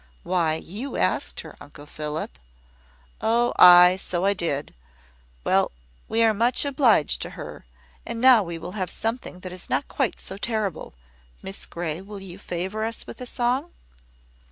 "Why, you asked her, Uncle Philip." "Oh, ay, so I did. Well, we are much obliged to her; and now we will have something that is not quite so terrible. Miss Grey, you will favour us with a song?"